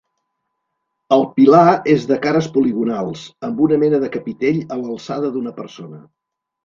El pilar és de cares poligonals, amb una mena de capitell a l'alçada d'una persona.